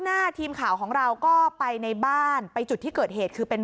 หน้าทีมข่าวของเราก็ไปในบ้านไปจุดที่เกิดเหตุคือเป็น